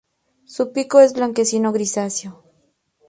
Su pico es blanquecino grisáceo.